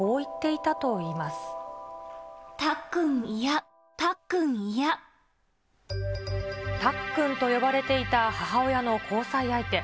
たっくんと呼ばれていた母親の交際相手。